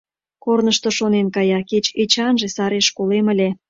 Корнышто шонен кая: «Кеч Эчанже сареш колем ыле.